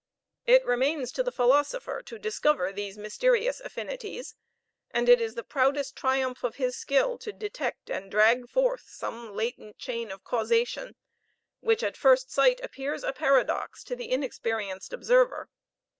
It remains to the philosopher to discover these mysterious affinities, and it is the proudest triumph of his skill to detect and drag forth some latent chain of causation, which at first sight appears a paradox to the inexperienced observer.